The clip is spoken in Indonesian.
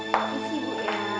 kondisi bu ya